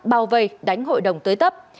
bao vây đánh hội đồng tới tấp